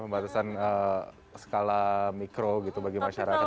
pembatasan skala mikro gitu bagi masyarakat